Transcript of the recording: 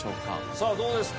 さあどうですか？